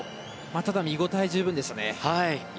ただ、見応えは十分でしたね。